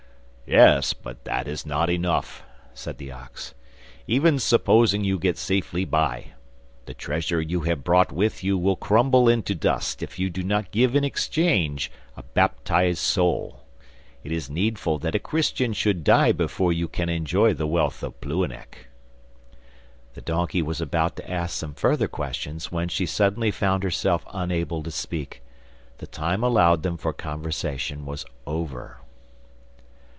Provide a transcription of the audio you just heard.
'Yes, but that is not enough,' said the ox; 'even supposing you get safely by, the treasure you have brought with you will crumble into dust if you do not give in exchange a baptised soul. It is needful that a Christian should die before you can enjoy the wealth of Plouhinec.' The donkey was about to ask some further questions, when she suddenly found herself unable to speak: the time allowed them for conversation was over.